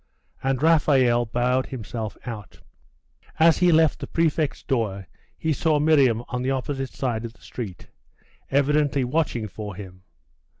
And Raphael bowed himself out. As he left the prefect's door, he saw Miriam on the opposite side of the street, evidently watching for him.